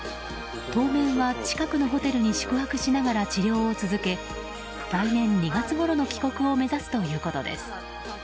当面は近くのホテルに宿泊しながら治療を続け来年２月ごろの帰国を目指すということです。